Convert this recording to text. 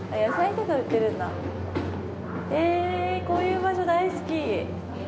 こういう場所大好き！